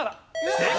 正解！